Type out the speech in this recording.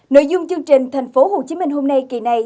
nội dung chương trình thành phố hồ chí minh hôm nay kỳ này